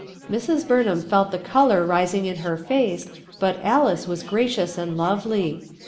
. Mrs. Bumhamfelt the color rising in her face, but Alice was gracious and lovely.